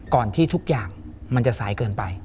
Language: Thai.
ที่ทุกอย่างมันจะสายเกินไป